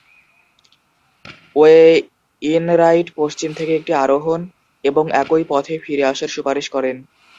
Wainwright পশ্চিম থেকে একটি আরোহণ এবং একই পথে ফিরে আসার সুপারিশ করেন।